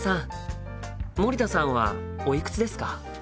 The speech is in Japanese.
森田さんはおいくつですか？